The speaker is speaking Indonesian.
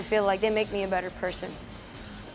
saya merasa mereka membuat saya menjadi orang yang lebih baik